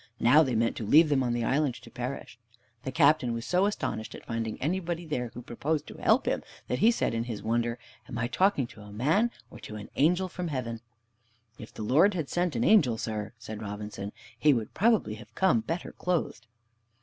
Now they meant to leave them on the island to perish. The Captain was so astonished at finding anybody there who proposed to help him, that he said in his wonder: "Am I talking to a man, or to an angel from heaven?" "If the Lord had sent an angel, sir," said Robinson, "he would probably have come better clothed."